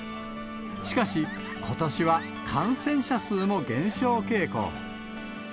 しかし、ことしは感染者数も減少傾向。